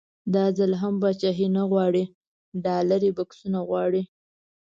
دا ځل هم پاچاهي نه غواړي ډالري بکسونه غواړي.